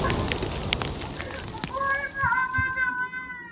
نجلۍ ګلسوم له درد سره مخ